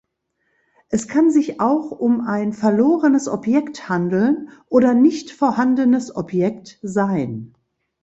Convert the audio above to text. Es kann sich auch um ein verlorenes Objekt handeln oder nicht vorhandenes Objekt sein.